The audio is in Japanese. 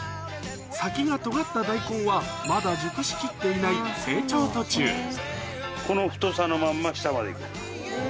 先がとがった大根はまだ熟しきっていないこの太さのまんま下まで行く。